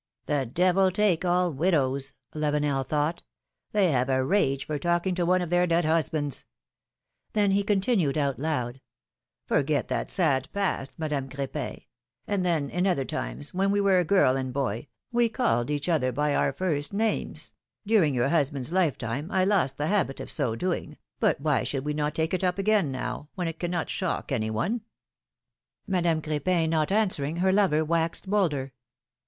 ^^The devil take all widows !" Lavenel thought; 'Mhey have a rage for talking to one of their dead husbands!" Then he continued, out loud : Forget that sad past, Madame Crepin ; and then, in other times, when we were a girl and boy, we called each other by our first names; during your husband's lifetime I lost the habit of so doing, but why should we not take it up again now, when it cannot shock any one?" philomI:ne's aiareiages. 57 Madame Cr^pin not answering, her lover waxed bolder.